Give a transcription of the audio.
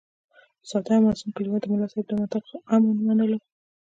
ساده او معصوم کلیوال د ملا صاحب دا منطق هم ومنلو.